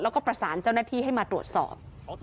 แล้วก็ประสานเจ้าหน้าที่ให้มาตรวจสอบ